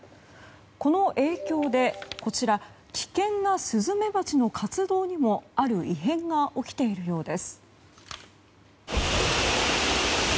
この影響で危険なスズメバチの活動にもある異変が起きているようです。